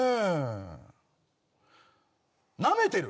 なめてる？